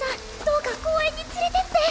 どうか公園に連れてって！